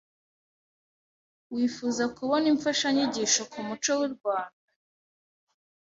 wifuzaga kubona imfashanyigisho ku muco w’u Rwanda.